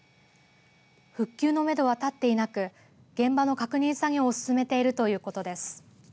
復旧のめどは立っていなく現場の確認作業を進めているということです。